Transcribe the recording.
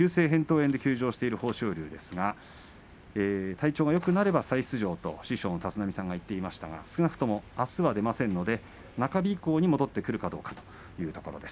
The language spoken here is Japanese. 炎で休場している豊昇龍ですが体調がよくなれば再出場と師匠の立浪さんが言っていましたが、少なくともあすは出ませんので、中日以降に戻ってくるかというところです。